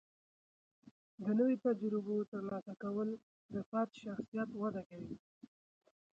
د نوي تجربو ترلاسه کول د فرد شخصیت وده کوي.